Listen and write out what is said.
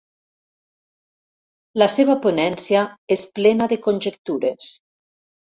La seva ponència és plena de conjectures.